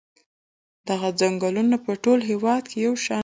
دغه څنګلونه په ټول هېواد کې یو شان نه دي.